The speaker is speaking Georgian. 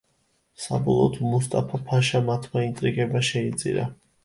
საბოლოოდ, მუსტაფა ფაშა მათმა ინტრიგებმა შეიწირა.